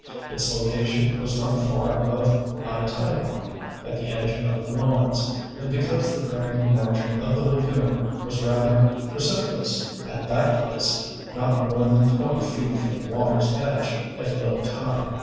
Its location was not far above high tide mark, at the edge of the lawns and because the craggy margin of the lagoon was rather precipitous at that place, not more than twenty feet from the water's edge at low tide.